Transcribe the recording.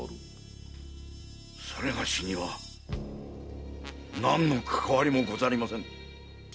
それがしには何のかかわりもござりませぬ。